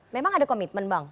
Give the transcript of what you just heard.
memang ada komitmen bang